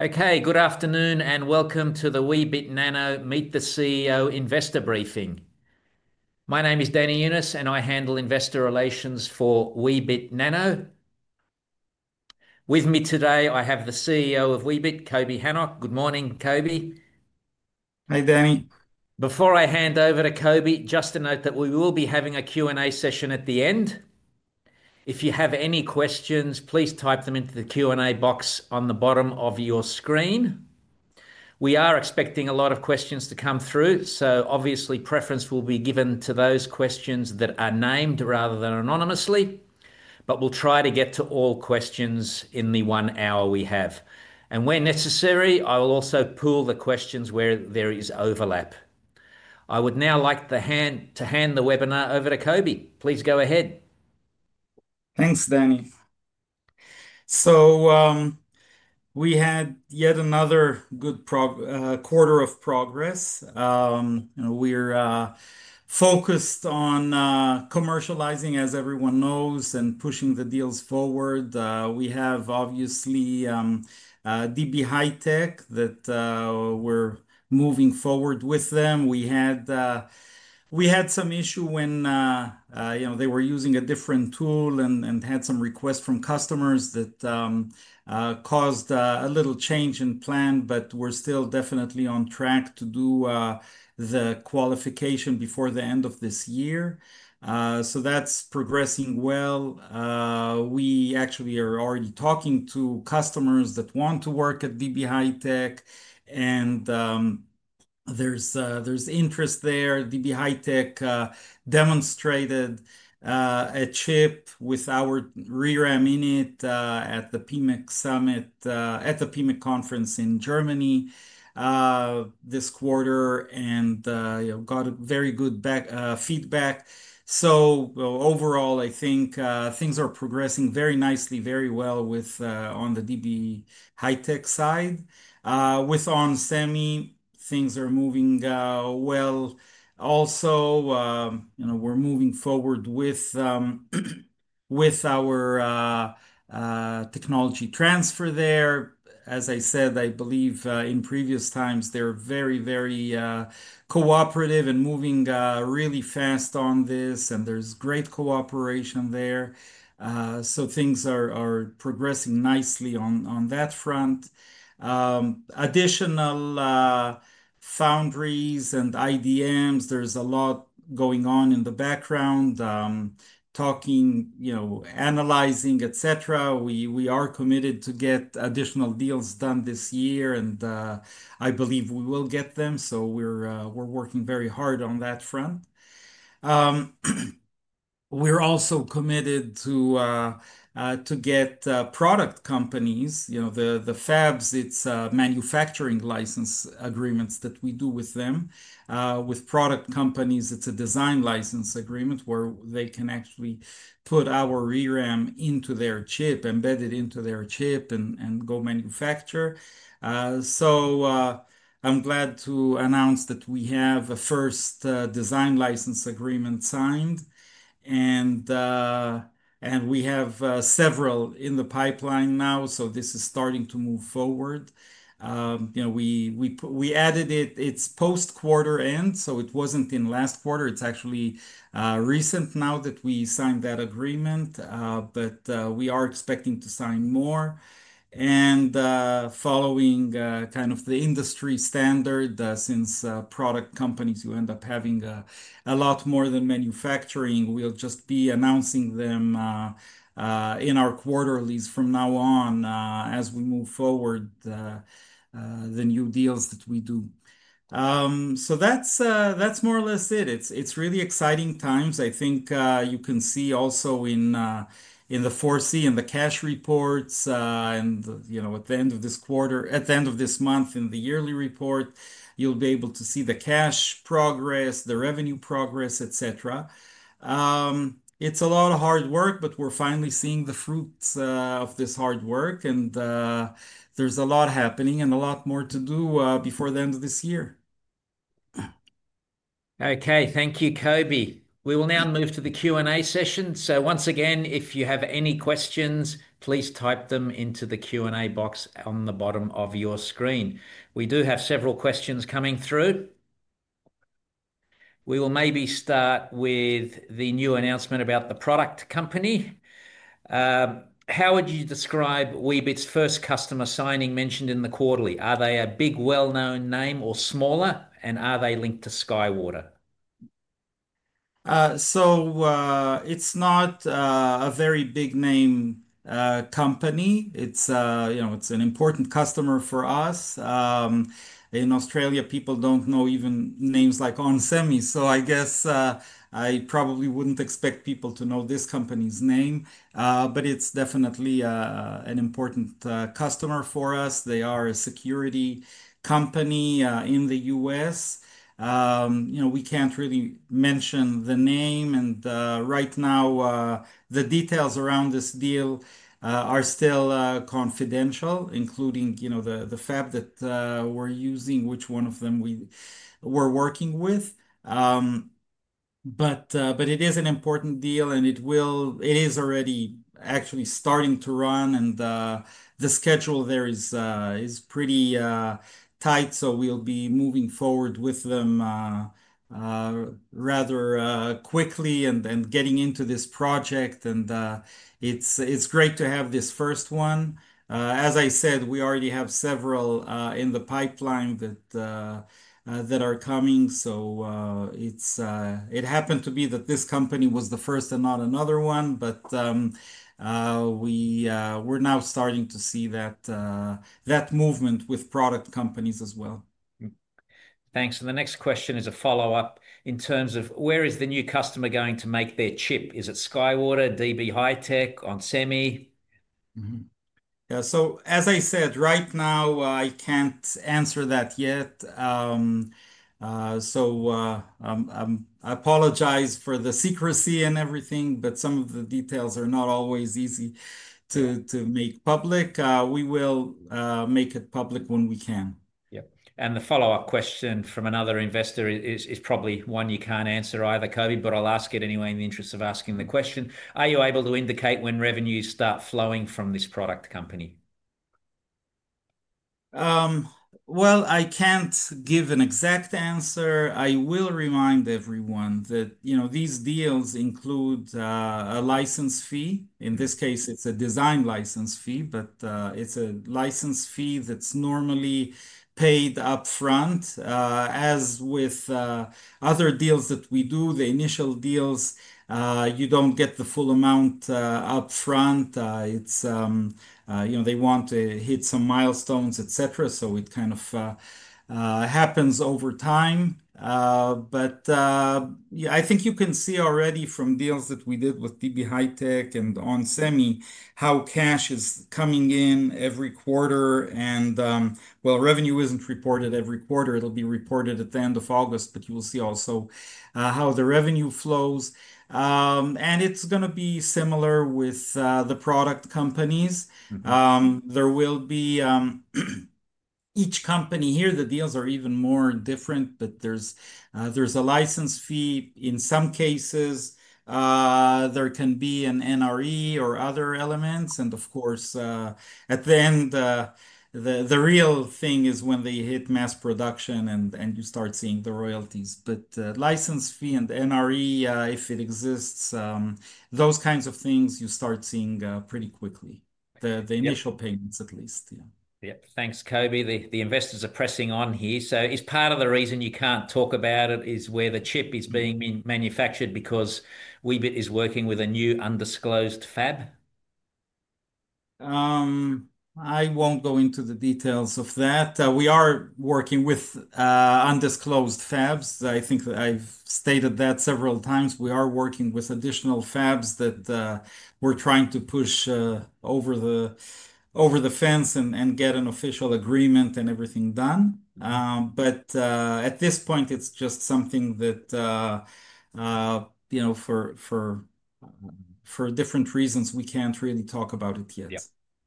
Okay, good afternoon and welcome to the Weebit Nano Meet the CEO Investor Briefing. My name is Danny Younis, and I handle investor relations for Weebit Nano. With me today, I have the CEO of Weebit, Coby Hanoch. Good morning, Coby. Hey, Danny. Before I hand over to Coby, just a note that we will be having a Q&A session at the end. If you have any questions, please type them into the Q&A box on the bottom of your screen. We are expecting a lot of questions to come through, so obviously preference will be given to those questions that are named rather than anonymously. We'll try to get to all questions in the one hour we have. When necessary, I will also pull the questions where there is overlap. I would now like to hand the webinar over to Coby. Please go ahead. Thanks, Danny. We had yet another good quarter of progress. You know, we're focused on commercializing, as everyone knows, and pushing the deals forward. We have, obviously, DB HiTek that we're moving forward with. We had some issues when they were using a different tool and had some requests from customers that caused a little change in plan, but we're still definitely on track to do the qualification before the end of this year. That's progressing well. We actually are already talking to customers that want to work at DB HiTek, and there's interest there. DB HiTek demonstrated a chip with our ReRAM in it at the PMIC conference in Germany this quarter and got very good feedback. Overall, I think things are progressing very nicely, very well with DB HiTek. With onsemi, things are moving well also. We're moving forward with our technology transfer there. As I said, I believe, in previous times, they're very, very cooperative and moving really fast on this, and there's great cooperation there. Things are progressing nicely on that front. Additional foundries and IDMs, there's a lot going on in the background, talking, analyzing, etc. We are committed to get additional deals done this year, and I believe we will get them. We're working very hard on that front. We're also committed to get product companies, you know, the fabs, it's manufacturing license agreements that we do with them. With product companies, it's a design license agreement where they can actually put our ReRAM into their chip, embed it into their chip, and go manufacture. I'm glad to announce that we have a first design license agreement signed, and we have several in the pipeline now. This is starting to move forward. We added it. It's post-quarter end, so it wasn't in last quarter. It's actually recent now that we signed that agreement. We are expecting to sign more. Following kind of the industry standard, since product companies who end up having a lot more than manufacturing, we'll just be announcing them in our quarterlies from now on as we move forward, the new deals that we do. That's more or less it. It's really exciting times. I think you can see also in the 4C and the cash reports, and at the end of this quarter, at the end of this month in the yearly report, you'll be able to see the cash progress, the revenue progress, etc. It's a lot of hard work, but we're finally seeing the fruits of this hard work, and there's a lot happening and a lot more to do before the end of this year. Okay, thank you, Coby. We will now move to the Q&A session. If you have any questions, please type them into the Q&A box on the bottom of your screen. We do have several questions coming through. We will maybe start with the new announcement about the product company. How would you describe Weebit's first customer signing mentioned in the quarterly? Are they a big, well-known name or smaller, and are they linked to SkyWater? It's not a very big name company. It's an important customer for us. In Australia, people don't know even names like onsemi, so I guess I probably wouldn't expect people to know this company's name. It's definitely an important customer for us. They are a security company in the U.S. We can't really mention the name, and right now, the details around this deal are still confidential, including the fab that we're using, which one of them we were working with. It is an important deal, and it is already actually starting to run. The schedule there is pretty tight, so we'll be moving forward with them rather quickly and getting into this project. It's great to have this first one. As I said, we already have several in the pipeline that are coming. It happened to be that this company was the first and not another one, but we're now starting to see that movement with product companies as well. Thanks. The next question is a follow-up in terms of where is the new customer going to make their chip. Is it SkyWater, DB HiTek, or onsemi? Yeah, as I said, right now, I can't answer that yet. I apologize for the secrecy and everything, but some of the details are not always easy to make public. We will make it public when we can. Yeah. The follow-up question from another investor is probably one you can't answer either, Coby, but I'll ask it anyway in the interest of asking the question. Are you able to indicate when revenues start flowing from this product company? I can't give an exact answer. I will remind everyone that these deals include a license fee. In this case, it's a design license fee, but it's a license fee that's normally paid up front. As with other deals that we do, the initial deals, you don't get the full amount up front. They want to hit some milestones, etc., so it kind of happens over time. I think you can see already from deals that we did with DB HiTek and onsemi how cash is coming in every quarter, and revenue isn't reported every quarter. It'll be reported at the end of August, but you will see also how the revenue flows. It's going to be similar with the product companies. Each company here, the deals are even more different, but there's a license fee in some cases. There can be an NRE or other elements, and of course, at the end, the real thing is when they hit mass production and you start seeing the royalties. License fee and NRE, if it exists, those kinds of things you start seeing pretty quickly. The initial payments at least. Yeah. Thanks, Coby. The investors are pressing on here. Is part of the reason you can't talk about it where the chip is being manufactured because Weebit is working with a new undisclosed fab? I won't go into the details of that. We are working with undisclosed fabs. I think I've stated that several times. We are working with additional fabs that we're trying to push over the fence and get an official agreement and everything done. At this point, it's just something that, you know, for different reasons, we can't really talk about yet.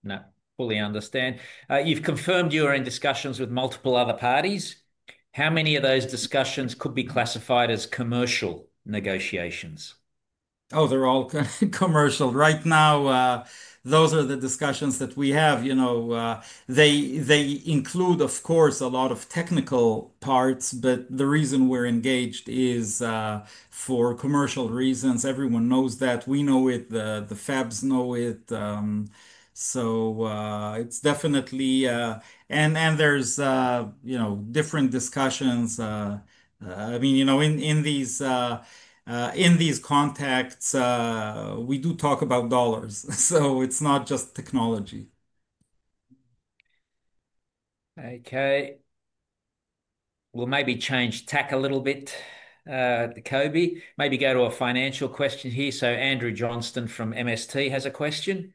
Yeah. No, fully understand. You've confirmed you are in discussions with multiple other parties. How many of those discussions could be classified as commercial negotiations? Oh, they're all commercial. Right now, those are the discussions that we have. They include, of course, a lot of technical parts, but the reason we're engaged is for commercial reasons. Everyone knows that. We know it. The fabs know it. It's definitely, and there's different discussions. I mean, in these contacts, we do talk about dollars. It's not just technology. Okay. Maybe change tack a little bit, Coby. Maybe go to a financial question here. Andrew Johnston from MST Access has a question.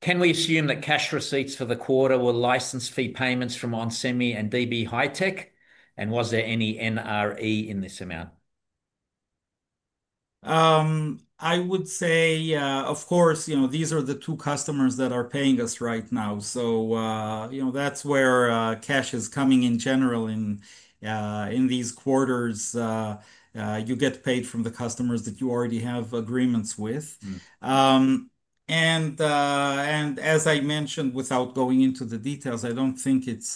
Can we assume that cash receipts for the quarter were license fee payments from onsemi and DB HiTek? Was there any NRE in this amount? I would say, of course, you know, these are the two customers that are paying us right now. You know, that's where cash is coming in general in these quarters. You get paid from the customers that you already have agreements with. As I mentioned, without going into the details, I don't think it's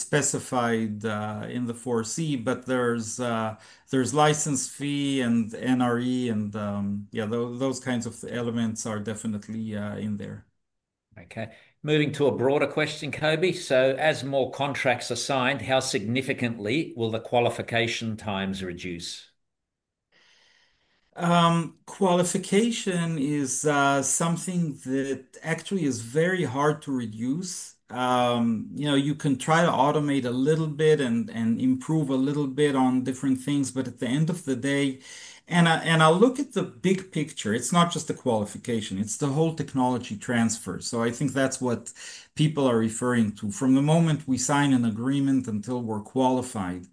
specified in the 4C, but there's license fee and NRE, and yeah, those kinds of elements are definitely in there. Okay. Moving to a broader question, Coby. As more contracts are signed, how significantly will the qualification times reduce? Qualification is something that actually is very hard to reduce. You know, you can try to automate a little bit and improve a little bit on different things, but at the end of the day, and I'll look at the big picture. It's not just the qualification. It's the whole technology transfer. I think that's what people are referring to. From the moment we sign an agreement until we're qualified,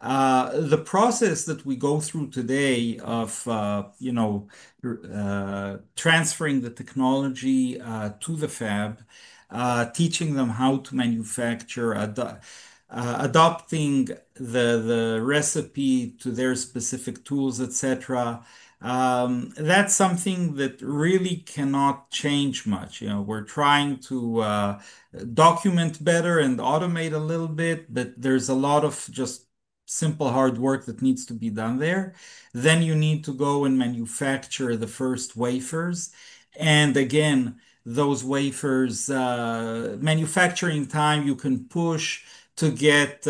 the process that we go through today of transferring the technology to the fab, teaching them how to manufacture, adopting the recipe to their specific tools, etcetera, that's something that really cannot change much. We're trying to document better and automate a little bit, but there's a lot of just simple hard work that needs to be done there. You need to go and manufacture the first wafers. Again, those wafers, manufacturing time, you can push to get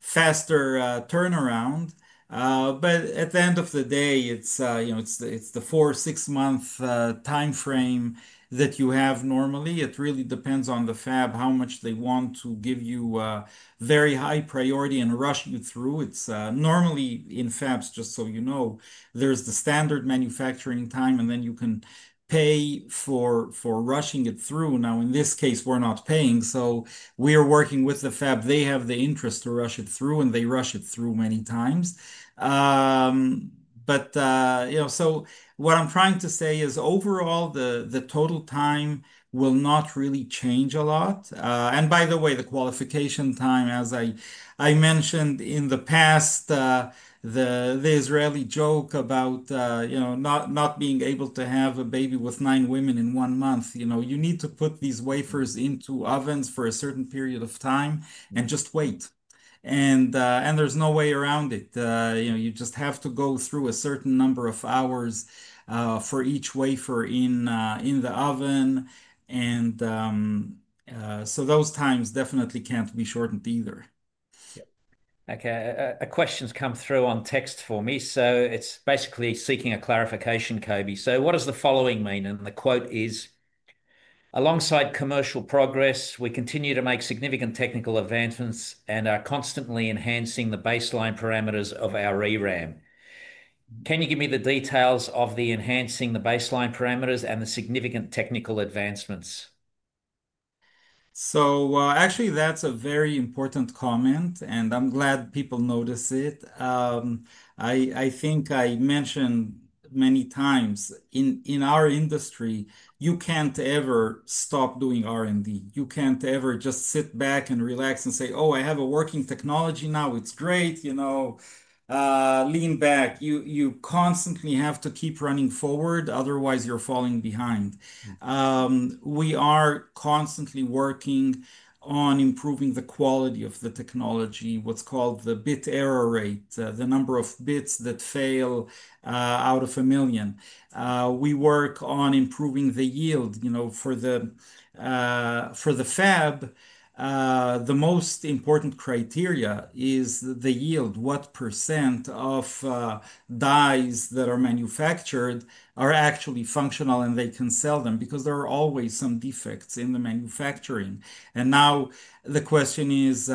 faster turnaround, but at the end of the day, it's the four or six-month timeframe that you have normally. It really depends on the fab, how much they want to give you very high priority and rush you through. Normally in fabs, just so you know, there's the standard manufacturing time, and then you can pay for rushing it through. In this case, we're not paying. We are working with the fab. They have the interest to rush it through, and they rush it through many times. What I'm trying to say is overall, the total time will not really change a lot. By the way, the qualification time, as I mentioned in the past, the Israeli joke about not being able to have a baby with nine women in one month. You need to put these wafers into ovens for a certain period of time and just wait, and there's no way around it. You just have to go through a certain number of hours for each wafer in the oven, and those times definitely can't be shortened either. Okay. A question's come through on text for me. It's basically seeking a clarification, Coby. What does the following mean? The quote is, "Alongside commercial progress, we continue to make significant technical advancements and are constantly enhancing the baseline parameters of our ReRAM." Can you give me the details of the enhancing the baseline parameters and the significant technical advancements? That's a very important comment, and I'm glad people notice it. I think I mentioned many times in our industry, you can't ever stop doing R&D. You can't ever just sit back and relax and say, "Oh, I have a working technology now. It's great." You know, lean back. You constantly have to keep running forward. Otherwise, you're falling behind. We are constantly working on improving the quality of the technology, what's called the bit error rate, the number of bits that fail out of a million. We work on improving the yield. For the fab, the most important criteria is the yield. What percentage of dies that are manufactured are actually functional and they can sell them? There are always some defects in the manufacturing. The question is,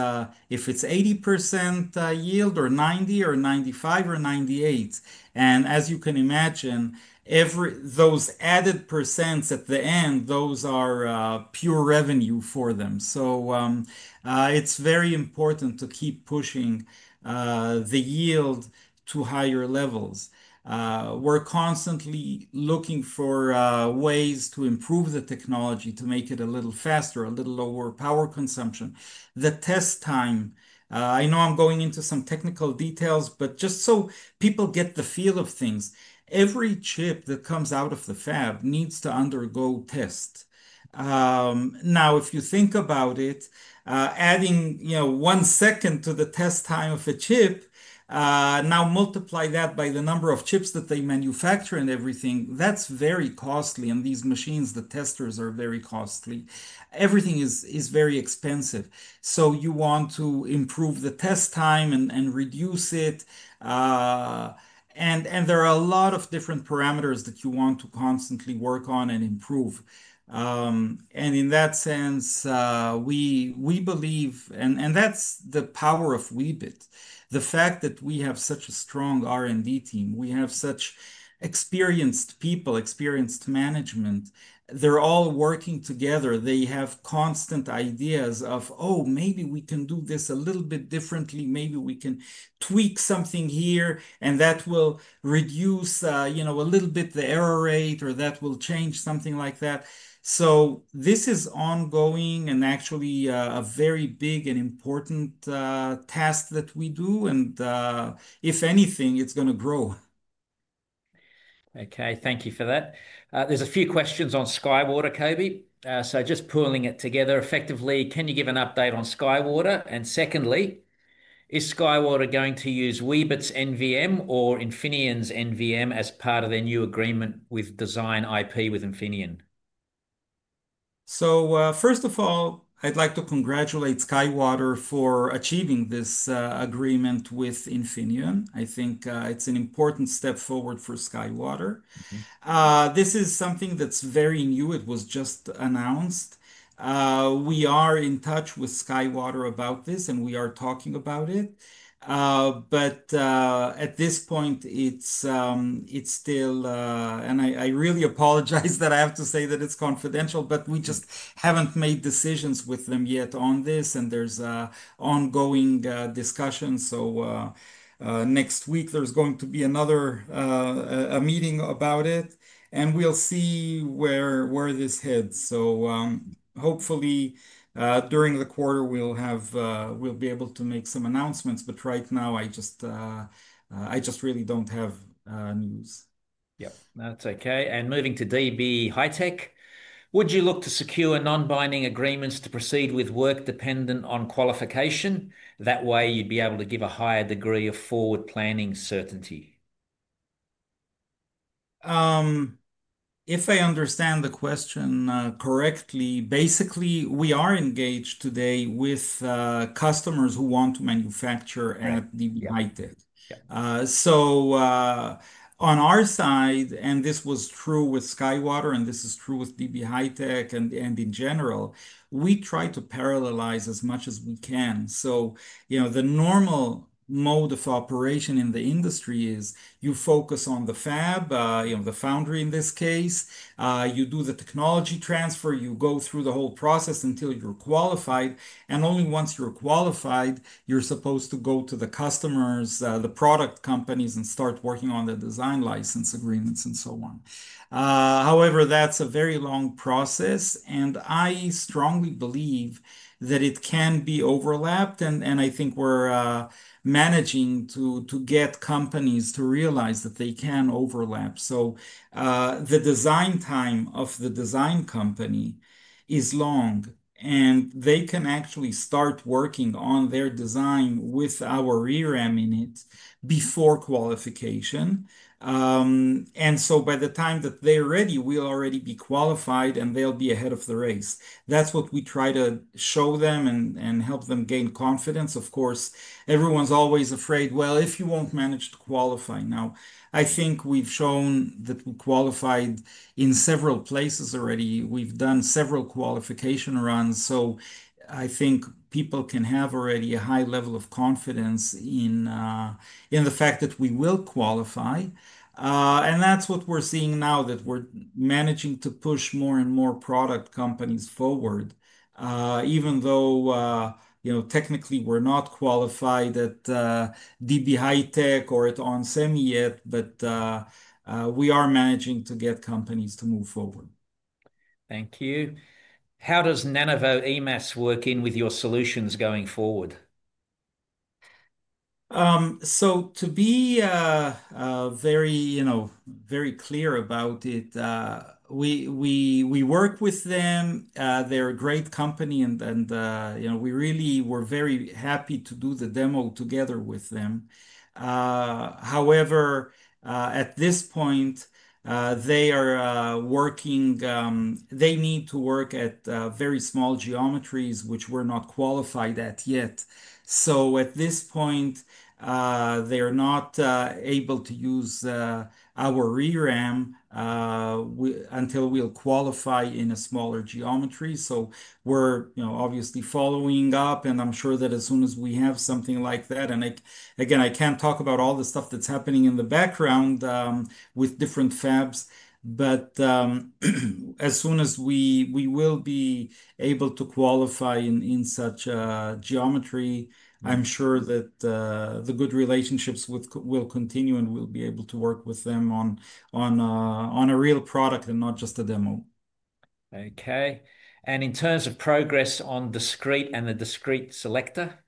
if it's 80% yield or 90% or 95% or 98%. As you can imagine, those added % at the end are pure revenue for them. It's very important to keep pushing the yield to higher levels. We're constantly looking for ways to improve the technology to make it a little faster, a little lower power consumption. The test time, I know I'm going into some technical details, but just so people get the feel of things, every chip that comes out of the fab needs to undergo tests. If you think about it, adding one second to the test time of a chip, now multiply that by the number of chips that they manufacture and everything, that's very costly. These machines, the testers, are very costly. Everything is very expensive. You want to improve the test time and reduce it. There are a lot of different parameters that you want to constantly work on and improve. In that sense, we believe, and that's the power of Weebit. The fact that we have such a strong R&D team, we have such experienced people, experienced management, they're all working together. They have constant ideas of, "Oh, maybe we can do this a little bit differently. Maybe we can tweak something here, and that will reduce a little bit the error rate, or that will change something like that." This is ongoing and actually a very big and important task that we do. If anything, it's going to grow. Okay. Thank you for that. There's a few questions on SkyWater, Coby. Just pulling it together, effectively, can you give an update on SkyWater? Secondly, is SkyWater going to use Weebit's NVM or Infineon's NVM as part of their new agreement with design IP with Infineon? First of all, I'd like to congratulate SkyWater for achieving this agreement with Infineon. I think it's an important step forward for SkyWater. This is something that's very new. It was just announced. We are in touch with SkyWater about this, and we are talking about it. At this point, I really apologize that I have to say that it's confidential, but we just haven't made decisions with them yet on this, and there's an ongoing discussion. Next week, there's going to be another meeting about it, and we'll see where this heads. Hopefully, during the quarter, we'll be able to make some announcements, but right now, I just really don't have news. Yep. That's okay. Moving to DB HiTek, would you look to secure non-binding agreements to proceed with work dependent on qualification? That way, you'd be able to give a higher degree of forward planning certainty. If I understand the question correctly, basically, we are engaged today with customers who want to manufacture at DB HiTek. On our side, and this was true with SkyWater, and this is true with DB HiTek, and in general, we try to parallelize as much as we can. The normal mode of operation in the industry is you focus on the fab, the foundry in this case. You do the technology transfer, you go through the whole process until you're qualified, and only once you're qualified, you're supposed to go to the customers, the product companies, and start working on the design license agreements and so on. However, that's a very long process, and I strongly believe that it can be overlapped, and I think we're managing to get companies to realize that they can overlap. The design time of the design company is long, and they can actually start working on their design with our ReRAM in it before qualification. By the time that they're ready, we'll already be qualified, and they'll be ahead of the race. That's what we try to show them and help them gain confidence. Of course, everyone's always afraid, if you won't manage to qualify. I think we've shown that we qualified in several places already. We've done several qualification runs. I think people can have already a high level of confidence in the fact that we will qualify. That's what we're seeing now, that we're managing to push more and more product companies forward, even though technically, we're not qualified at DB HiTek or at onsemi yet, but we are managing to get companies to move forward. Thank you. How does NanoVM work in with your solutions going forward? To be very clear about it, we work with them. They're a great company, and we really were very happy to do the demo together with them. However, at this point, they are working, they need to work at very small geometries which we're not qualified at yet. At this point, they're not able to use our ReRAM until we'll qualify in a smaller geometry. We're obviously following up, and I'm sure that as soon as we have something like that—I can't talk about all the stuff that's happening in the background with different fabs—but as soon as we will be able to qualify in such geometry, I'm sure that the good relationships will continue and we'll be able to work with them on a real product and not just a demo. Okay. In terms of progress on discrete and the discrete selector?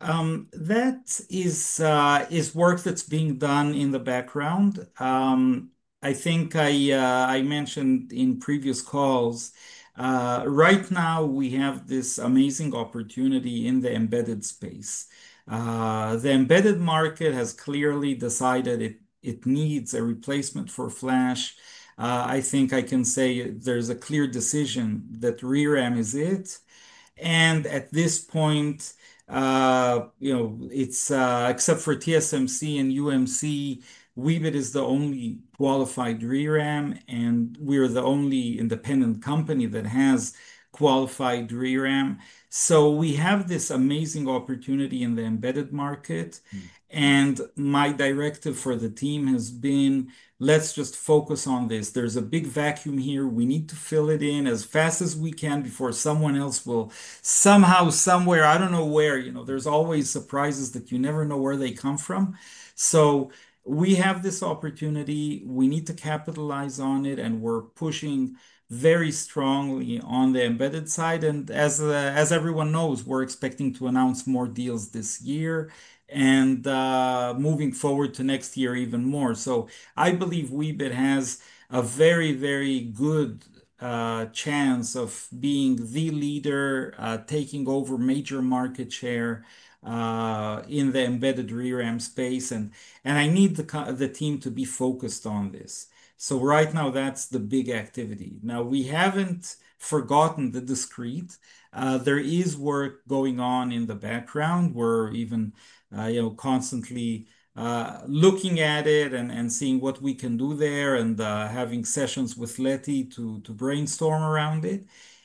That is work that's being done in the background. I think I mentioned in previous calls, right now we have this amazing opportunity in the embedded space. The embedded market has clearly decided it needs a replacement for flash. I think I can say there's a clear decision that ReRAM is it. At this point, except for TSMC and UMC, Weebit is the only qualified ReRAM, and we're the only independent company that has qualified ReRAM. We have this amazing opportunity in the embedded market. My directive for the team has been, let's just focus on this. There's a big vacuum here. We need to fill it in as fast as we can before someone else will somehow, somewhere, I don't know where, you know, there's always surprises that you never know where they come from. We have this opportunity. We need to capitalize on it, and we're pushing very strongly on the embedded side. As everyone knows, we're expecting to announce more deals this year and, moving forward to next year, even more. I believe Weebit has a very, very good chance of being the leader, taking over major market share in the embedded ReRAM space. I need the team to be focused on this. Right now, that's the big activity. We haven't forgotten the discrete. There is work going on in the background. We're even constantly looking at it and seeing what we can do there and having sessions with Leti to brainstorm around it.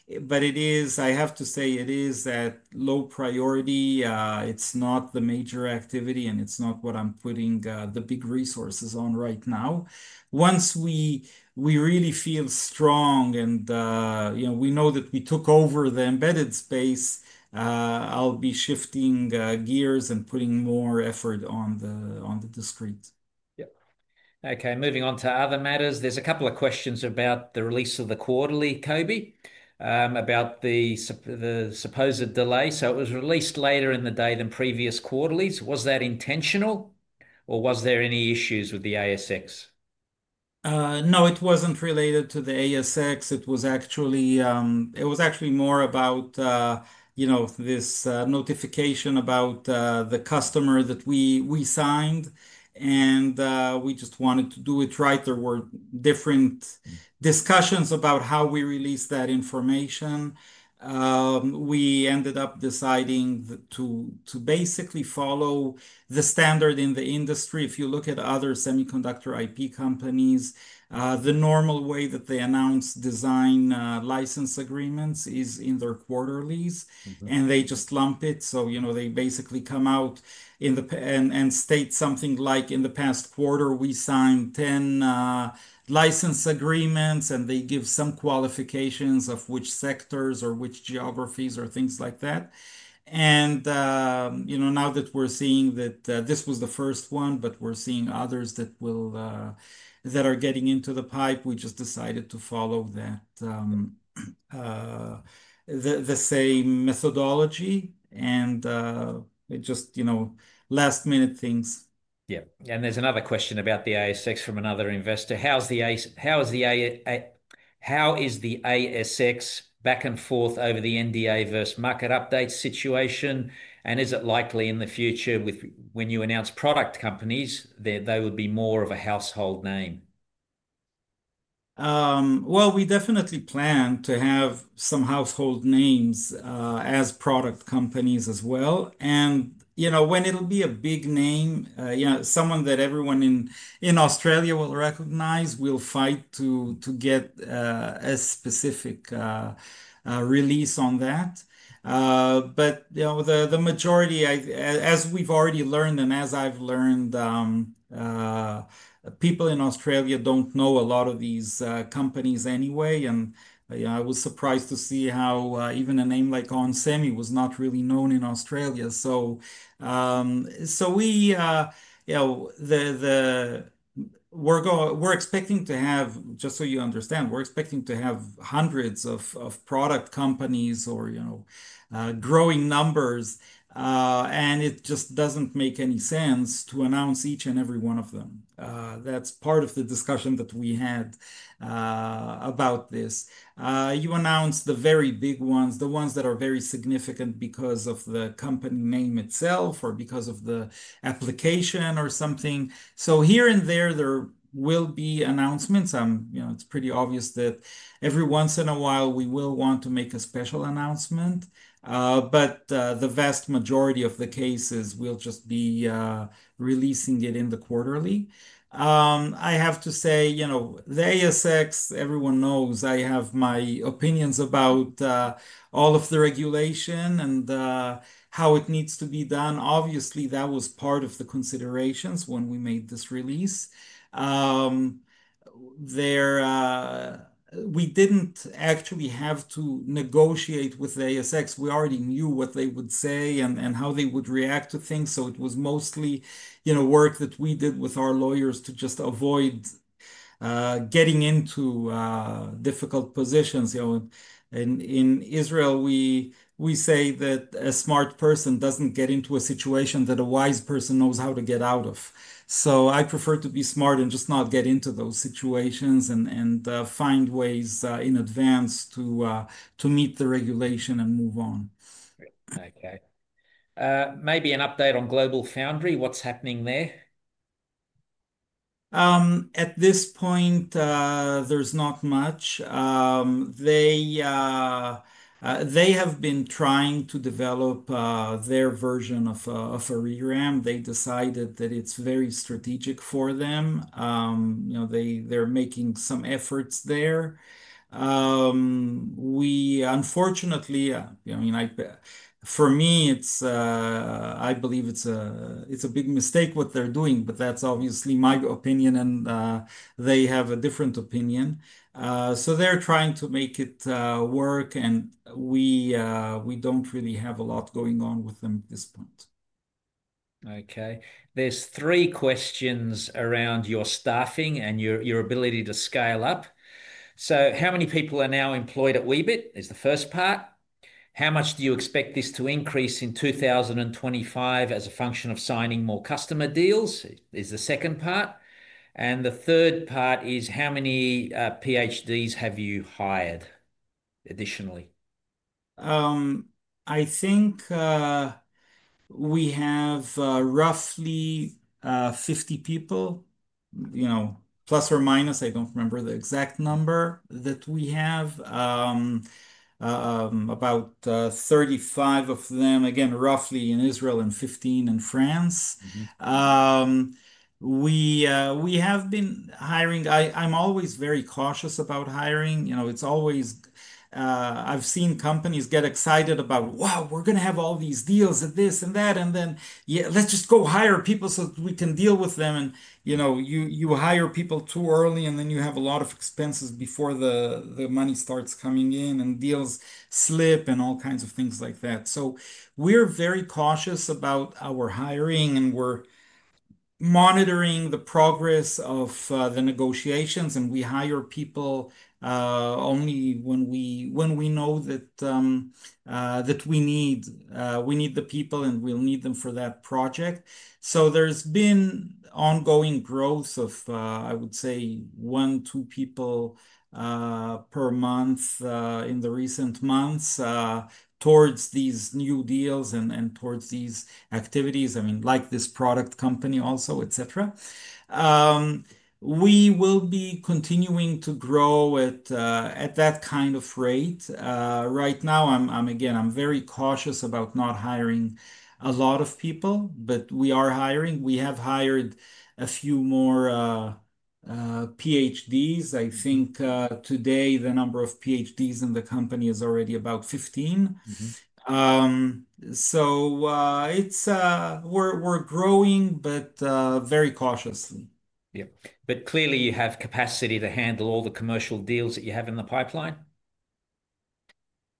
I have to say, it is at low priority. It's not the major activity, and it's not what I'm putting the big resources on right now. Once we really feel strong and we know that we took over the embedded space, I'll be shifting gears and putting more effort on the discrete. Okay. Moving on to other matters, there's a couple of questions about the release of the quarterly, Coby, about the supposed delay. It was released later in the date in previous quarterlies. Was that intentional, or was there any issues with the ASX? No, it wasn't related to the ASX. It was actually more about this notification about the customer that we signed, and we just wanted to do it right. There were different discussions about how we released that information. We ended up deciding to basically follow the standard in the industry. If you look at other semiconductor IP companies, the normal way that they announce design license agreements is in their quarterlies, and they just lump it. They basically come out and state something like, "In the past quarter, we signed 10 license agreements," and they give some qualifications of which sectors or which geographies or things like that. Now that we're seeing that this was the first one, but we're seeing others that are getting into the pipe, we just decided to follow the same methodology. It just, you know, last minute things. Yeah. There's another question about the ASX from another investor. How is the ASX back and forth over the NDA versus market update situation, and is it likely in the future when you announce product companies that they would be more of a household name? We definitely plan to have some household names as product companies as well. You know, when it'll be a big name, someone that everyone in Australia will recognize, we'll fight to get a specific release on that. The majority, as we've already learned and as I've learned, people in Australia don't know a lot of these companies anyway. I was surprised to see how even a name like onsemi was not really known in Australia. We are expecting to have hundreds of product companies or growing numbers, and it just doesn't make any sense to announce each and every one of them. That's part of the discussion that we had about this. You announce the very big ones, the ones that are very significant because of the company name itself or because of the application or something. Here and there, there will be announcements. It's pretty obvious that every once in a while, we will want to make a special announcement. The vast majority of the cases, we'll just be releasing it in the quarterly. I have to say, the ASX, everyone knows, I have my opinions about all of the regulation and how it needs to be done. Obviously, that was part of the considerations when we made this release. We didn't actually have to negotiate with the ASX. We already knew what they would say and how they would react to things. It was mostly work that we did with our lawyers to just avoid getting into difficult positions. In Israel, we say that a smart person doesn't get into a situation that a wise person knows how to get out of. I prefer to be smart and just not get into those situations and find ways in advance to meet the regulation and move on. Okay, maybe an update on GlobalFoundries. What's happening there? At this point, there's not much. They have been trying to develop their version of a ReRAM. They decided that it's very strategic for them. You know, they're making some efforts there. Unfortunately, I mean, for me, I believe it's a big mistake what they're doing, but that's obviously my opinion, and they have a different opinion. They're trying to make it work, and we don't really have a lot going on with them at this point. Okay. There are three questions around your staffing and your ability to scale up. How many people are now employed at Weebit is the first part. How much do you expect this to increase in 2025 as a function of signing more customer deals is the second part. The third part is how many PhDs have you hired additionally? I think we have roughly 50 people, you know, plus or minus. I don't remember the exact number that we have. About 35 of them, again, roughly in Israel and 15 in France. We have been hiring. I'm always very cautious about hiring. You know, it's always, I've seen companies get excited about, "Wow, we're going to have all these deals and this and that," and then, "Yeah, let's just go hire people so that we can deal with them." You hire people too early, and then you have a lot of expenses before the money starts coming in, and deals slip and all kinds of things like that. We are very cautious about our hiring, and we're monitoring the progress of the negotiations, and we hire people only when we know that we need the people, and we'll need them for that project. There's been ongoing growth of, I would say, one, two people per month in the recent months, towards these new deals and towards these activities. I mean, like this product company also, etcetera. We will be continuing to grow at that kind of rate. Right now, I'm again, I'm very cautious about not hiring a lot of people, but we are hiring. We have hired a few more PhDs. I think today, the number of PhDs in the company is already about 15. So, we're growing, but very cautious. Yeah, clearly, you have capacity to handle all the commercial deals that you have in the pipeline?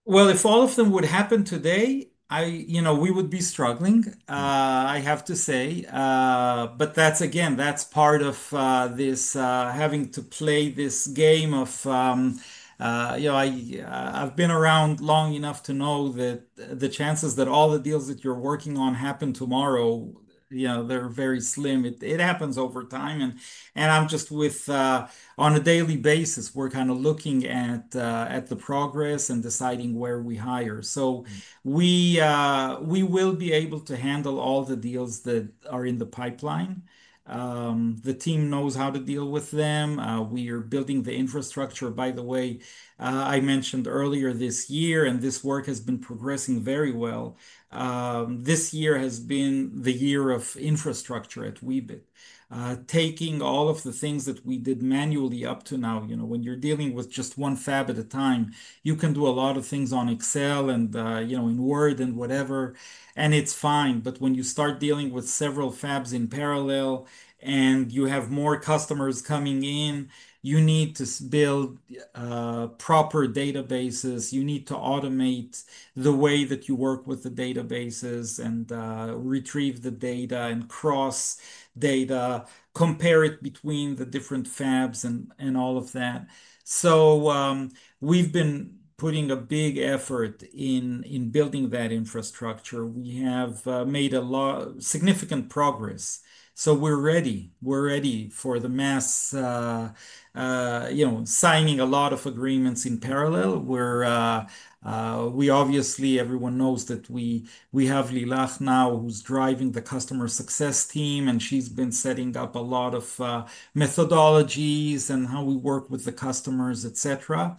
If all of them would happen today, I, you know, we would be struggling, I have to say. That's part of this, having to play this game of, you know, I, I've been around long enough to know that the chances that all the deals that you're working on happen tomorrow, you know, they're very slim. It happens over time. I'm just, on a daily basis, we're kinda looking at the progress and deciding where we hire. We will be able to handle all the deals that are in the pipeline. The team knows how to deal with them. We are building the infrastructure, by the way, I mentioned earlier this year, and this work has been progressing very well. This year has been the year of infrastructure at Weebit Nano. Taking all of the things that we did manually up to now, you know, when you're dealing with just one fab at a time, you can do a lot of things on Excel and, you know, in Word and whatever, and it's fine. When you start dealing with several fabs in parallel and you have more customers coming in, you need to build proper databases. You need to automate the way that you work with the databases and retrieve the data and cross data, compare it between the different fabs and all of that. We've been putting a big effort in building that infrastructure. We have made a lot of significant progress. We're ready. We're ready for the mass, you know, signing a lot of agreements in parallel. We obviously, everyone knows that we have Lilaf now who's driving the customer success team, and she's been setting up a lot of methodologies and how we work with the customers, etcetera.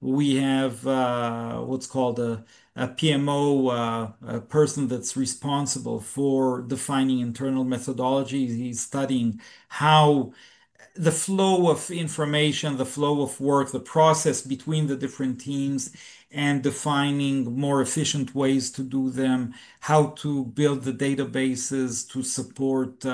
We have what's called a PMO, a person that's responsible for defining internal methodologies. He's studying how the flow of information, the flow of work, the process between the different teams, and defining more efficient ways to do them, how to build the databases to support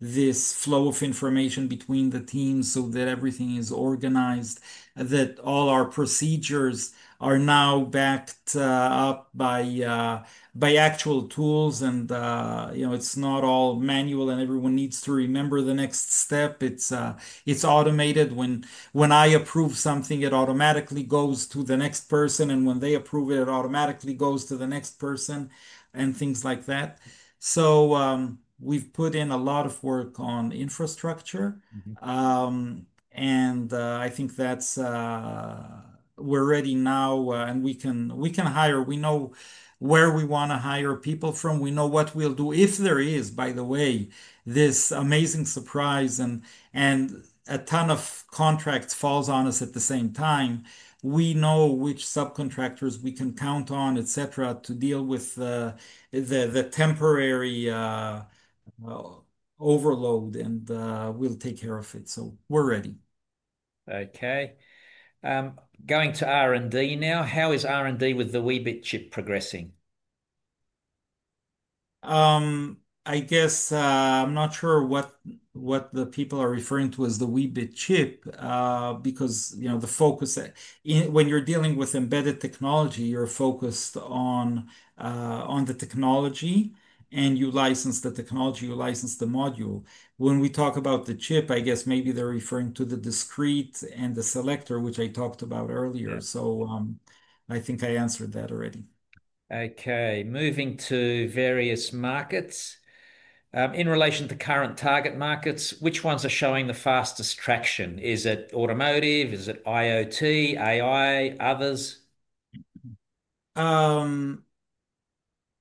this flow of information between the teams so that everything is organized, that all our procedures are now backed up by actual tools. It's not all manual and everyone needs to remember the next step. It's automated. When I approve something, it automatically goes to the next person, and when they approve it, it automatically goes to the next person and things like that. We've put in a lot of work on infrastructure. I think that's, we're ready now, and we can hire. We know where we wanna hire people from. We know what we'll do. If there is, by the way, this amazing surprise and a ton of contracts falls on us at the same time, we know which subcontractors we can count on, etcetera, to deal with the temporary overload, and we'll take care of it. We're ready. Okay, going to R&D now. How is R&D with the Weebit chip progressing? I'm not sure what the people are referring to as the Weebit chip, because, you know, the focus when you're dealing with embedded technology, you're focused on the technology, and you license the technology, you license the module. When we talk about the chip, I guess maybe they're referring to the discrete and the selector, which I talked about earlier. I think I answered that already. Okay. Moving to various markets, in relation to current target markets, which ones are showing the fastest traction? Is it automotive? Is it IoT, AI, others?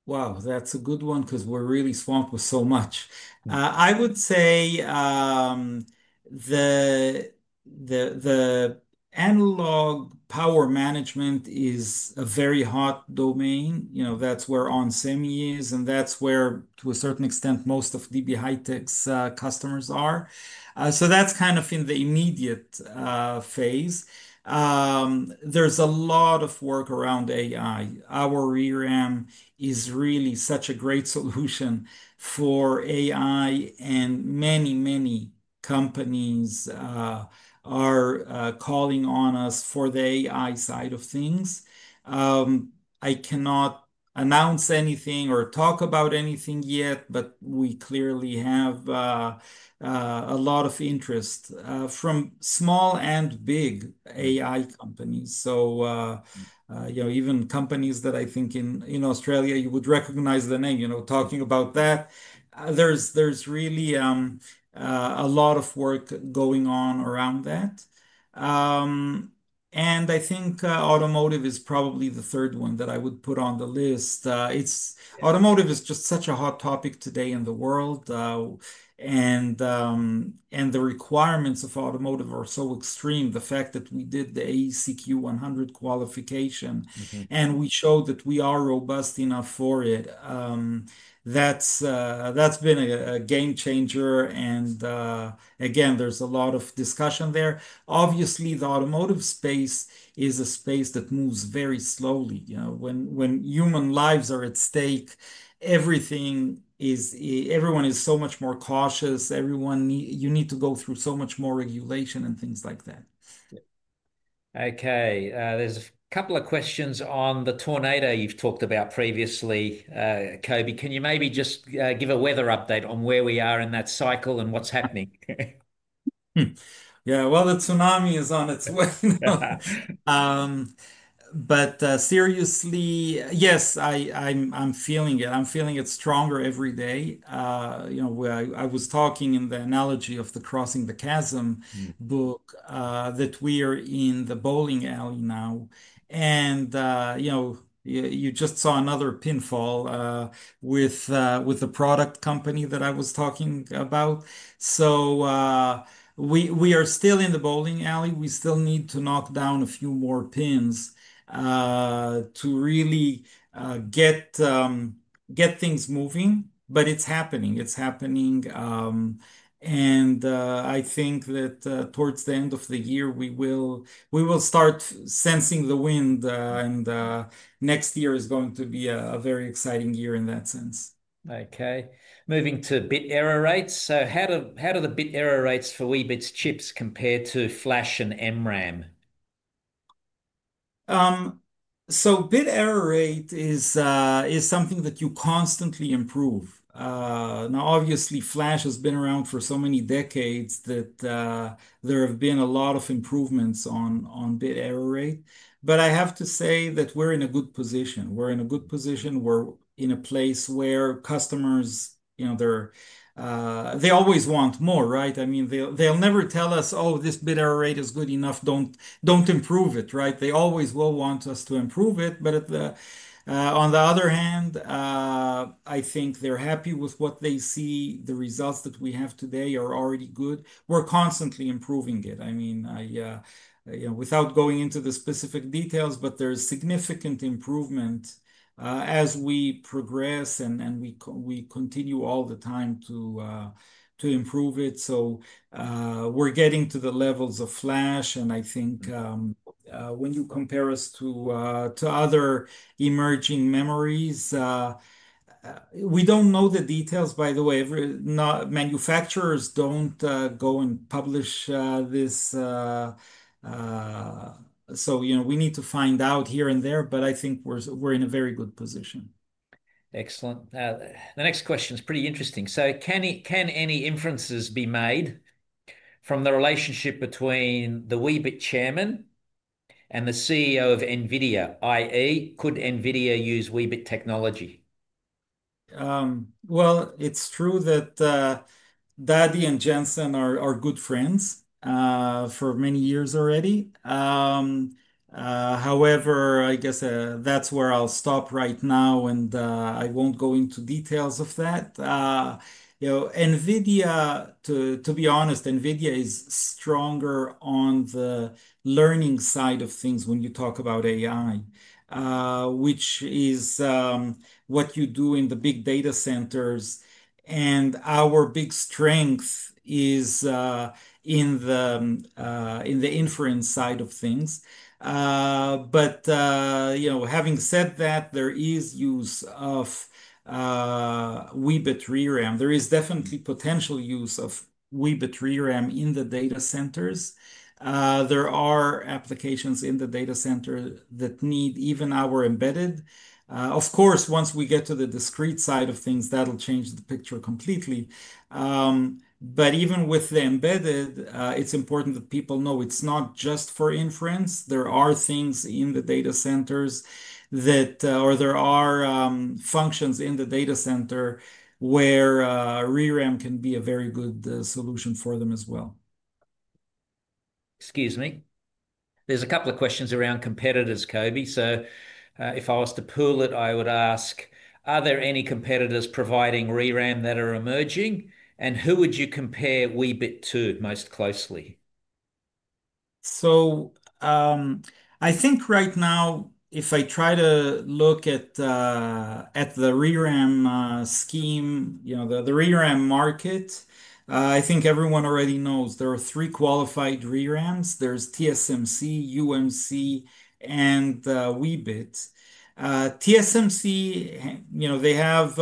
That's a good one because we're really swamped with so much. I would say the analog power management is a very hot domain. You know, that's where onsemi is, and that's where, to a certain extent, most of DB HiTek's customers are. That's kind of in the immediate phase. There's a lot of work around AI. Our ReRAM is really such a great solution for AI, and many, many companies are calling on us for the AI side of things. I cannot announce anything or talk about anything yet, but we clearly have a lot of interest from small and big AI companies. You know, even companies that I think in Australia you would recognize the name, you know, talking about that. There's really a lot of work going on around that. I think automotive is probably the third one that I would put on the list. Automotive is just such a hot topic today in the world, and the requirements of automotive are so extreme. The fact that we did the AEC-Q100 qualification, and we showed that we are robust enough for it, that's been a game changer. Again, there's a lot of discussion there. Obviously, the automotive space is a space that moves very slowly. When human lives are at stake, everyone is so much more cautious. Everyone needs to go through so much more regulation and things like that. Okay, there's a couple of questions on the tornado you've talked about previously. Coby, can you maybe just give a weather update on where we are in that cycle and what's happening? The tsunami is on its way. Seriously, yes, I'm feeling it. I'm feeling it stronger every day. I was talking in the analogy of the Crossing the Chasm book, that we are in the bowling alley now. You just saw another pinfall with the product company that I was talking about. We are still in the bowling alley. We still need to knock down a few more pins to really get things moving, but it's happening. It's happening. I think that towards the end of the year, we will start sensing the wind, and next year is going to be a very exciting year in that sense. Okay. Moving to bit error rates. How do the bit error rates for Weebit's chips compare to flash and MRAM? Bit error rate is something that you constantly improve. Now, obviously, flash has been around for so many decades that there have been a lot of improvements on bit error rate. I have to say that we're in a good position. We're in a good position. We're in a place where customers, you know, they always want more. Right? I mean, they'll never tell us, "Oh, this bit error rate is good enough. Don't improve it." They always will want us to improve it. On the other hand, I think they're happy with what they see. The results that we have today are already good. We're constantly improving it. Without going into the specific details, there's significant improvement as we progress and we continue all the time to improve it. We're getting to the levels of flash, and I think, when you compare us to other emerging memories, we don't know the details, by the way. Manufacturers don't go and publish this, so we need to find out here and there, but I think we're in a very good position. Excellent. The next question is pretty interesting. Can any inferences be made from the relationship between the Weebit Chairman and the CEO of NVIDIA, i.e., could NVIDIA use Weebit technology? It’s true that Dadi and Jensen are good friends, for many years already. However, I guess that's where I'll stop right now, and I won't go into details of that. You know, NVIDIA, to be honest, NVIDIA is stronger on the learning side of things when you talk about AI, which is what you do in the big data centers. Our big strength is in the inference side of things. You know, having said that, there is use of Weebit ReRAM. There is definitely potential use of Weebit ReRAM in the data centers. There are applications in the data center that need even our embedded. Of course, once we get to the discrete side of things, that'll change the picture completely. Even with the embedded, it's important that people know it's not just for inference. There are things in the data centers, or there are functions in the data center where ReRAM can be a very good solution for them as well. Excuse me. There are a couple of questions around competitors, Coby. If I was to pull it, I would ask, are there any competitors providing ReRAM that are emerging, and who would you compare Weebit to most closely? I think right now, if I try to look at the ReRAM scheme, you know, the ReRAM market, I think everyone already knows there are three qualified ReRAMs. There's TSMC, UMC, and Weebit. TSMC, you know, they have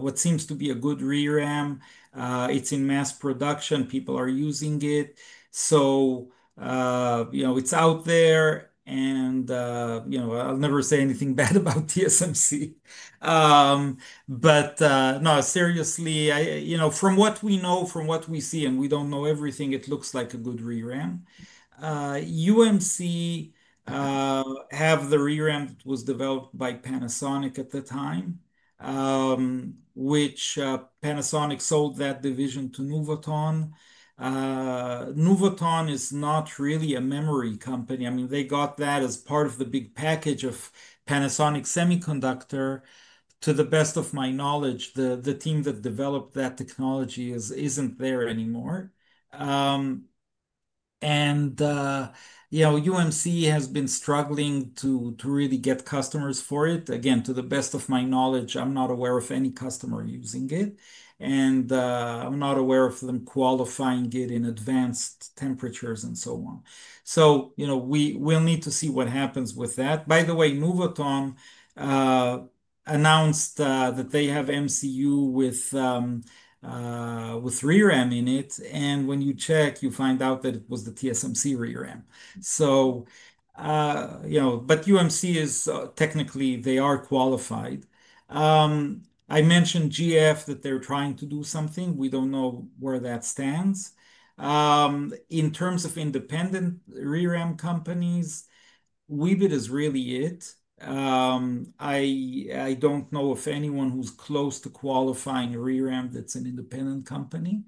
what seems to be a good ReRAM. It's in mass production. People are using it. It's out there, and I'll never say anything bad about TSMC. No, seriously, from what we know, from what we see, and we don't know everything, it looks like a good ReRAM. UMC has the ReRAM that was developed by Panasonic at the time, which Panasonic sold that division to Nuvoton. Nuvoton is not really a memory company. I mean, they got that as part of the big package of Panasonic semiconductor. To the best of my knowledge, the team that developed that technology isn't there anymore, and UMC has been struggling to really get customers for it. Again, to the best of my knowledge, I'm not aware of any customer using it, and I'm not aware of them qualifying it in advanced temperatures and so on. We'll need to see what happens with that. By the way, Nuvoton announced that they have MCU with ReRAM in it, and when you check, you find out that it was the TSMC ReRAM. UMC is technically, they are qualified. I mentioned GF that they're trying to do something. We don't know where that stands. In terms of independent ReRAM companies, Weebit is really it. I don't know of anyone who's close to qualifying a ReRAM that's an independent company.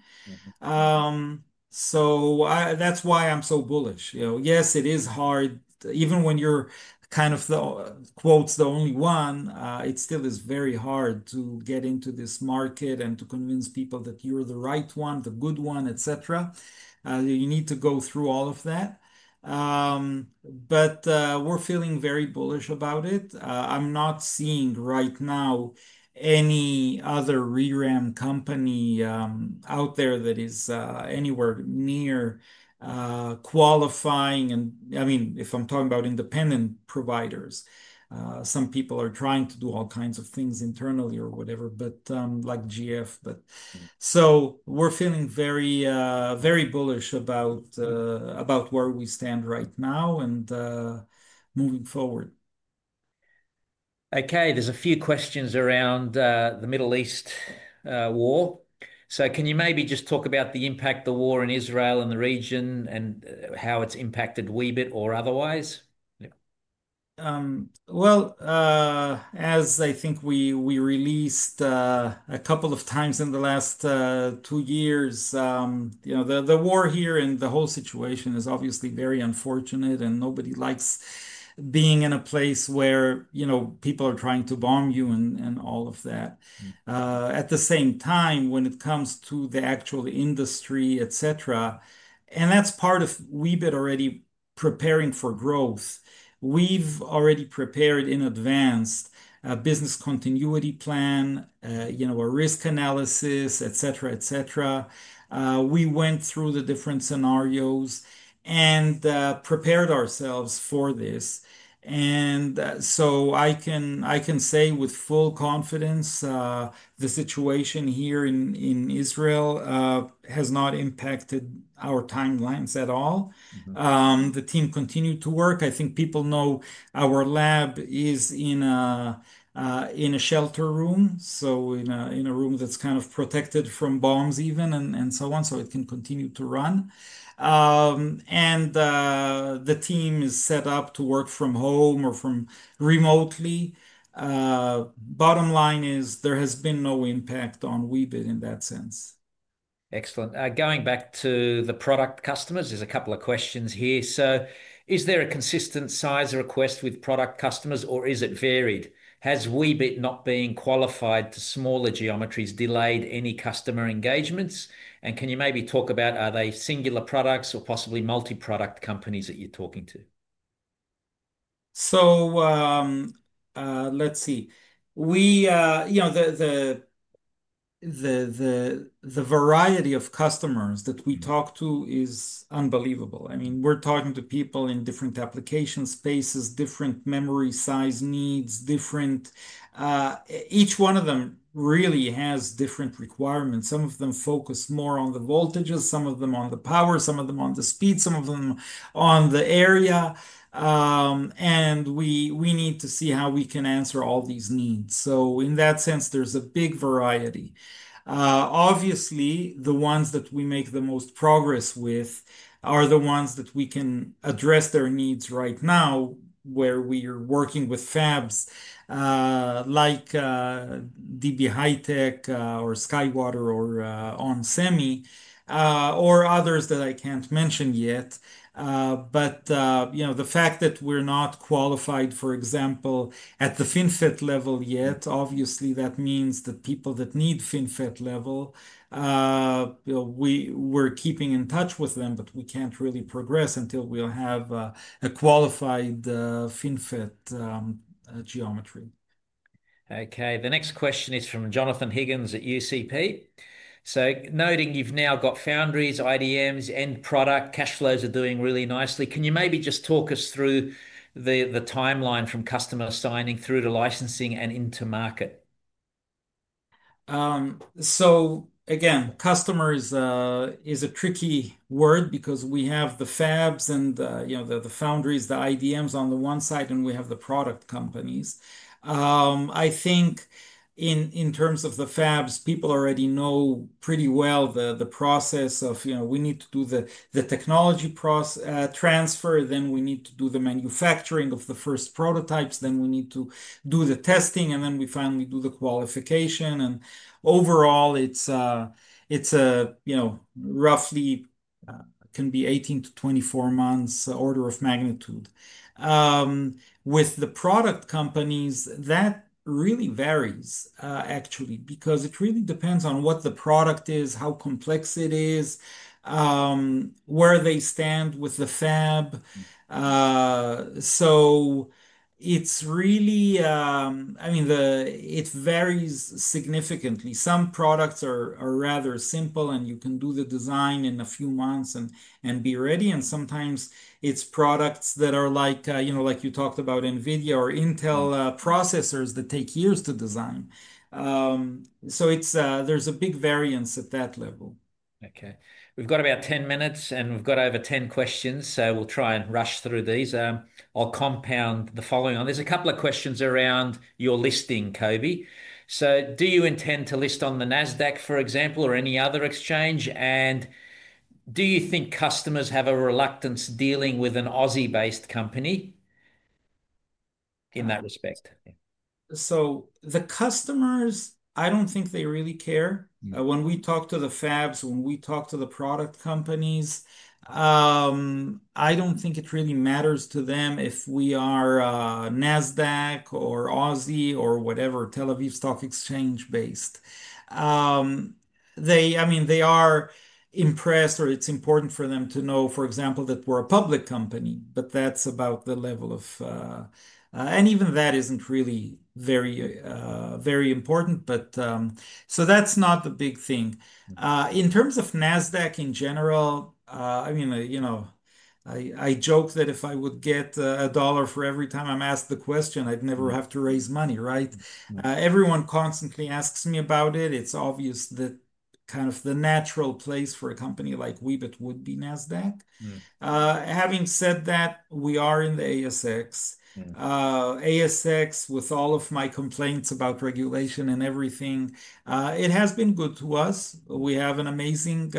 That's why I'm so bullish. Yes, it is hard. Even when you're kind of the only one, it still is very hard to get into this market and to convince people that you're the right one, the good one, etcetera. You need to go through all of that. We're feeling very bullish about it. I'm not seeing right now any other ReRAM company out there that is anywhere near qualifying. If I'm talking about independent providers, some people are trying to do all kinds of things internally or whatever, like GF. We're feeling very, very bullish about where we stand right now and moving forward. Okay. There are a few questions around the Middle East war. Can you maybe just talk about the impact of the war in Israel and the region and how it's impacted Weebit or otherwise? As I think we released a couple of times in the last two years, you know, the war here and the whole situation is obviously very unfortunate, and nobody likes being in a place where people are trying to bomb you and all of that. At the same time, when it comes to the actual industry, etcetera, and that's part of Weebit already preparing for growth. We've already prepared in advance, business continuity plan, a risk analysis, etcetera, etcetera. We went through the different scenarios and prepared ourselves for this. I can say with full confidence, the situation here in Israel has not impacted our timelines at all. The team continued to work. I think people know our lab is in a shelter room, so in a room that's kind of protected from bombs even and so on. It can continue to run, and the team is set up to work from home or from remotely. Bottom line is there has been no impact on Weebit in that sense. Excellent. Going back to the product customers, there's a couple of questions here. Is there a consistent size request with product customers, or is it varied? Has Weebit not being qualified to smaller geometries delayed any customer engagements? Can you maybe talk about are they singular products or possibly multi-product companies that you're talking to? Let's see. The variety of customers that we talk to is unbelievable. I mean, we're talking to people in different application spaces, different memory size needs, each one of them really has different requirements. Some of them focus more on the voltages, some of them on the power, some of them on the speed, some of them on the area. We need to see how we can answer all these needs. In that sense, there's a big variety. Obviously, the ones that we make the most progress with are the ones that we can address their needs right now where we are working with fabs, like DB HiTek, or SkyWater, or onsemi, or others that I can't mention yet. The fact that we're not qualified, for example, at the FinFET level yet, obviously, that means that people that need FinFET level, we're keeping in touch with them, but we can't really progress until we'll have a qualified FinFET geometry. Okay. The next question is from Jonathan Higgins at UCP. Noting you've now got foundries, IDMs, and product cash flows are doing really nicely, can you maybe just talk us through the timeline from customer signing through to licensing and into market? Customers is a tricky word because we have the fabs and, you know, the foundries, the IDMs on the one side, and we have the product companies. I think in terms of the fabs, people already know pretty well the process of, you know, we need to do the technology process transfer, then we need to do the manufacturing of the first prototypes, then we need to do the testing, and then we finally do the qualification. Overall, it's, you know, roughly, can be 18 months-24 months, order of magnitude. With the product companies, that really varies, actually, because it really depends on what the product is, how complex it is, where they stand with the fab. It varies significantly. Some products are rather simple, and you can do the design in a few months and be ready. Sometimes it's products that are like, you know, like you talked about NVIDIA or Intel, processors that take years to design. There's a big variance at that level. Okay. We've got about 10 minutes, and we've got over 10 questions. We'll try and rush through these. I'll compound the following one. There's a couple of questions around your listing, Coby. Do you intend to list on the Nasdaq, for example, or any other exchange? Do you think customers have a reluctance dealing with an Aussie-based company in that respect? The customers, I don't think they really care. When we talk to the fabs, when we talk to the product companies, I don't think it really matters to them if we are Nasdaq or Aussie or whatever, Tel Aviv Stock Exchange based. They are impressed, or it's important for them to know, for example, that we're a public company, but that's about the level of it, and even that isn't really very important. That's not the big thing. In terms of Nasdaq in general, I joke that if I would get a dollar for every time I'm asked the question, I'd never have to raise money. Everyone constantly asks me about it. It's obvious that kind of the natural place for a company like Weebit Nano would be Nasdaq. Having said that, we are in the ASX. ASX, with all of my complaints about regulation and everything, it has been good to us. We have an amazing,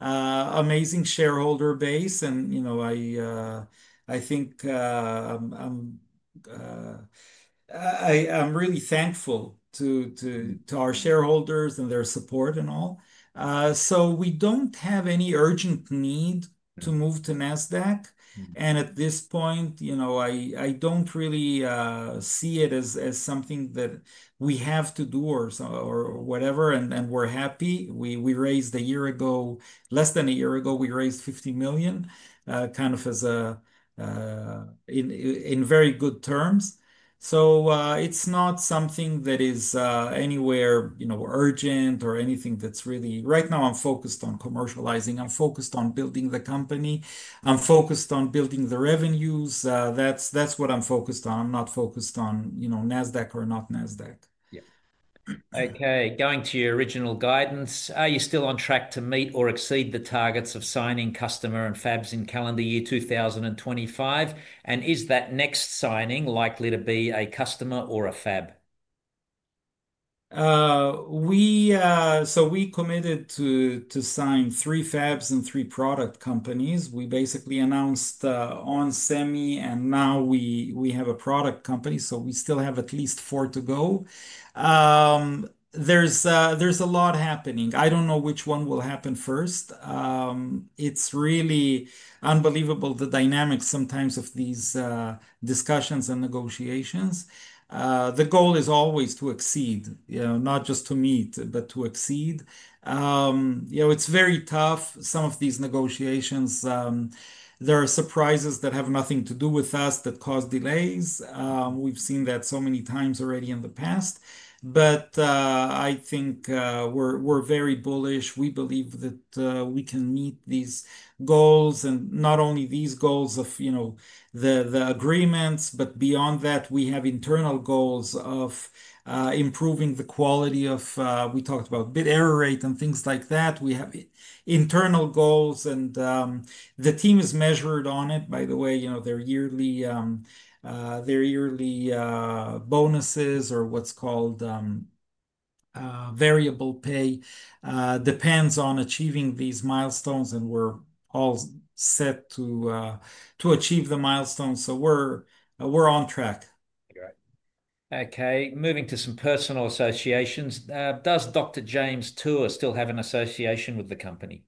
amazing shareholder base, and I think I'm really thankful to our shareholders and their support and all. We don't have any urgent need to move to Nasdaq. At this point, I don't really see it as something that we have to do or whatever, and we're happy. We raised a year ago, less than a year ago, we raised $50 million, kind of in very good terms. It's not something that is anywhere urgent or anything that's really right now. I'm focused on commercializing. I'm focused on building the company. I'm focused on building the revenues. That's what I'm focused on. I'm not focused on Nasdaq or not Nasdaq. Okay. Going to your original guidance, are you still on track to meet or exceed the targets of signing customer and fabs in calendar year 2025, and is that next signing likely to be a customer or a fab? We committed to sign three fabs and three product companies. We basically announced onsemi, and now we have a product company. We still have at least four to go. There's a lot happening. I don't know which one will happen first. It's really unbelievable, the dynamics sometimes of these discussions and negotiations. The goal is always to exceed, you know, not just to meet, but to exceed. It's very tough. Some of these negotiations, there are surprises that have nothing to do with us that cause delays. We've seen that so many times already in the past. I think we're very bullish. We believe that we can meet these goals, and not only these goals of the agreements, but beyond that, we have internal goals of improving the quality of, we talked about bit error rate and things like that. We have internal goals, and the team is measured on it. By the way, their yearly bonuses, or what's called variable pay, depends on achieving these milestones, and we're all set to achieve the milestones. We're on track. Okay. Moving to some personal associations. Does Dr. James Tour still have an association with the company?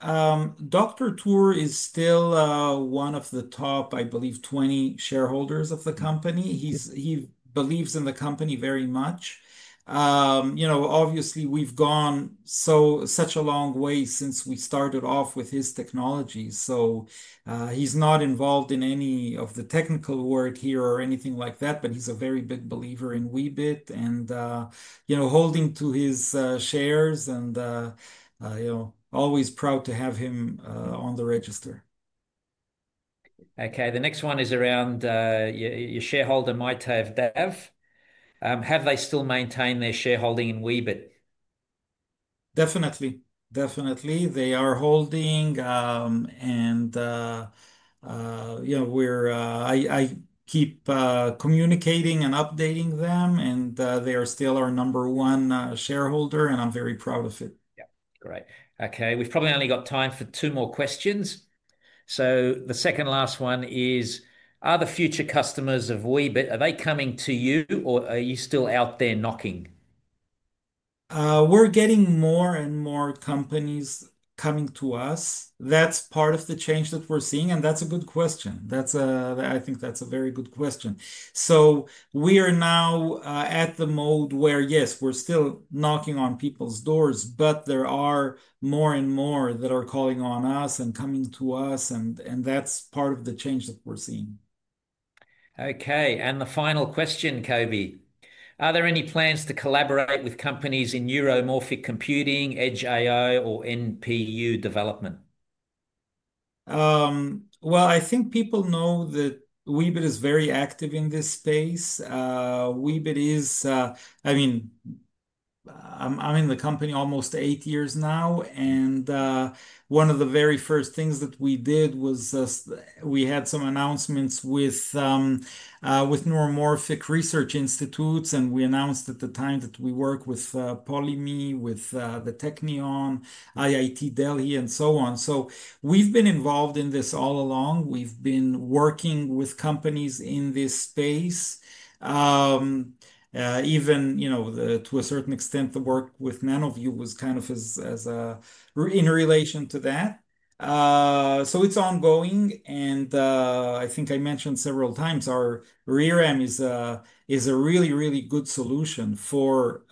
Dr. Tour is still one of the top, I believe, 20 shareholders of the company. He believes in the company very much. Obviously, we've gone such a long way since we started off with his technology. He's not involved in any of the technical work here or anything like that, but he's a very big believer in Weebit and, you know, holding to his shares and always proud to have him on the register. Okay. The next one is around your shareholder. Have they still maintained their shareholding in Weebit? Definitely. They are holding, and, you know, I keep communicating and updating them, and they are still our number one shareholder, and I'm very proud of it. Great. Okay. We've probably only got time for two more questions. The second last one is, are the future customers of Weebit Nano, are they coming to you, or are you still out there knocking? We're getting more and more companies coming to us. That's part of the change that we're seeing, and that's a good question. I think that's a very good question. We are now at the mode where, yes, we're still knocking on people's doors, but there are more and more that are calling on us and coming to us, and that's part of the change that we're seeing. Okay. The final question, Coby, are there any plans to collaborate with companies in neuromorphic computing, edge AI, or NPU development? I think people know that Weebit Nano is very active in this space. Weebit Nano is, I mean, I'm in the company almost 8 years now, and one of the very first things that we did was, we had some announcements with neuromorphic research institutes, and we announced at the time that we work with LETI, with the Technion, IIT Delhi, and so on. We've been involved in this all along. We've been working with companies in this space. Even, you know, to a certain extent, the work with Nano view was kind of in relation to that. It's ongoing, and I think I mentioned several times, our ReRAM is a really, really good solution for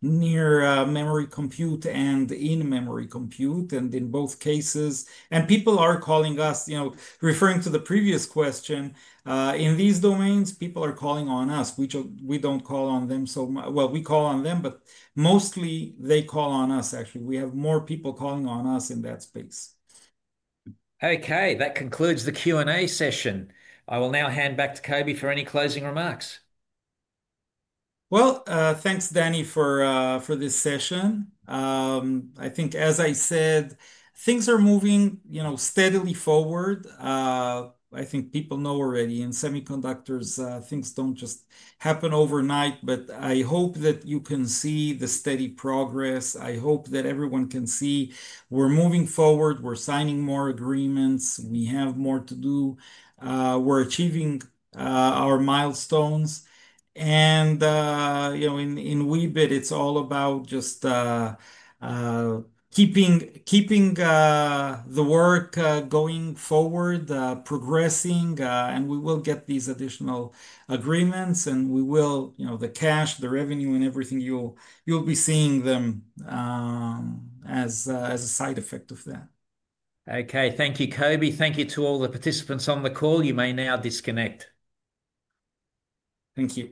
near-memory compute and in-memory compute. In both cases, and people are calling us, you know, referring to the previous question, in these domains, people are calling on us. We don't call on them so much. We call on them, but mostly they call on us, actually. We have more people calling on us in that space. Okay. That concludes the Q&A session. I will now hand back to Coby for any closing remarks. Thank you, Danny, for this session. As I said, things are moving steadily forward. People know already in semiconductors, things don't just happen overnight, but I hope that you can see the steady progress. I hope that everyone can see we're moving forward. We're signing more agreements. We have more to do. We're achieving our milestones. In Weebit, it's all about just keeping the work going forward, progressing, and we will get these additional agreements. The cash, the revenue, and everything, you'll be seeing them as a side effect of that. Okay. Thank you, Coby. Thank you to all the participants on the call. You may now disconnect. Thank you.